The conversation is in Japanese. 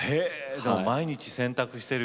毎日、洗濯してる。